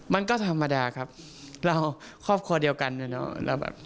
มันก็ธรรมดาครับเราครอบครัวเดียวกันนะเนาะ